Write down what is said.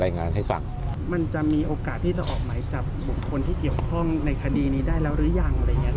รายงานให้ฟังมันจะมีโอกาสที่จะออกไหมจากบุคคลที่เกี่ยวข้องในคดีนี้ได้แล้วหรือยัง